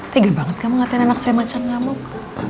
tegel banget kamu ngatain anak saya macan ngamuk